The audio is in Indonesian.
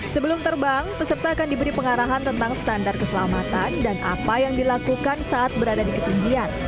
sebelum terbang peserta akan diberi pengarahan tentang standar keselamatan dan apa yang dilakukan saat berada di ketinggian